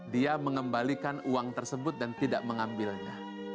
dia mengembalikan uang tersebut dan tidak mengambilnya